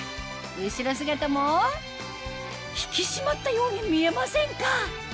後ろ姿も引き締まったように見えませんか？